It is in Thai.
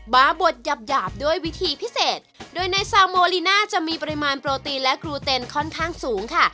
บาร์บดหยาบหยาบด้วยวิธีพิเศษโดยในซาวโมลีน่าจะมีปริมาณโปรตีนและครูเต็นค่อนข้างสูงค่ะ